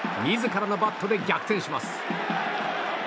自らのバットで逆転します。